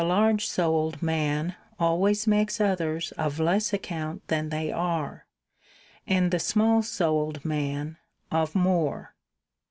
large souled man always makes others of less account than they are, and the small souled man of more.